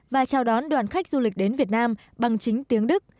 và chào đón đoàn khách du lịch đến việt nam bằng chính tiếng đức